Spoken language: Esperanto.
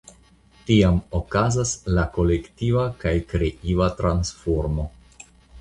Tiam okazas la kolektiva kaj kreiva transformo.